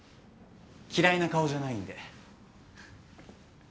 嫌いな顔じゃないんで。